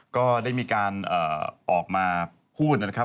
ก็ได้มีการออกมาพูดนะครับ